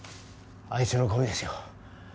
あいつのゴミですよ。